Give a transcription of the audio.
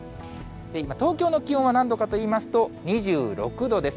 今、東京の気温は何度かといいますと、２６度です。